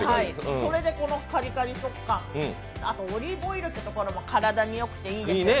それでこのカリカリ食感、オリーブオイルっていうところも体によくていいですね。